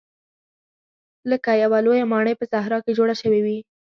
لکه یوه لویه ماڼۍ په صحرا کې جوړه شوې وي.